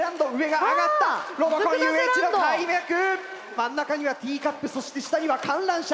真ん中にはティーカップそして下には観覧車。